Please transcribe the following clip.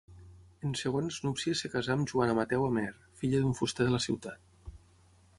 En segones núpcies es casà amb Joana Mateu Amer, filla d'un fuster de la ciutat.